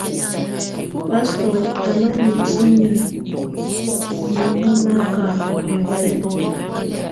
Pasto á nà mitinǝ́ nɔhɔŋnaga niɔ̀fɛ̀na.